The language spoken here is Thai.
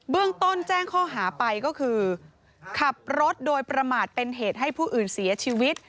เรื่องต้นแจ้งข้อหาไปก็คือขับรถโดยประมาทเป็นเหตุให้ผู้อื่นเสียชีวิต